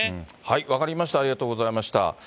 分かりました、ありがとうございました。